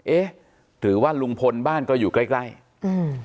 เอ๊ะหรือว่าลุงพลบ้านก็อยู่ใกล้ใกล้อืม